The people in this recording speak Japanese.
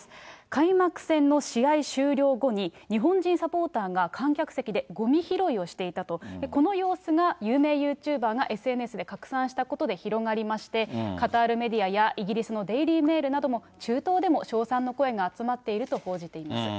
開幕戦の試合終了後に、日本人サポーターが観客席でごみ拾いをしていたと、この様子が、有名ユーチューバーがＳＮＳで拡散したことで広がりまして、カタールメディアやイギリスのデイリー・メールなども中東でも称賛の声が集まっていると報じています。